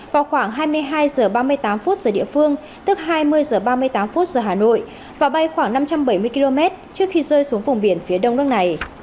vào khoảng hai mươi hai h ba mươi tám phút giờ địa phương tức hai mươi h ba mươi tám phút giờ hà nội và bay khoảng năm trăm bảy mươi km trước khi rơi xuống vùng biển phía đông nước này